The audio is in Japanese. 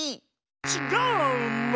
ちっがうの！